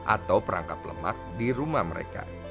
atau perangkap lemak di rumah mereka